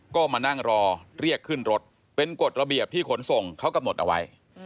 ก็มานั่งรอเรียกขึ้นรถเป็นกฎระเบียบที่ขนส่งเขากำหนดเอาไว้